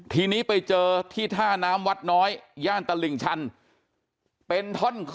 ทีนี้ไปเจอที่ท่าน้ำวัดน้อยย่านตลิ่งชัน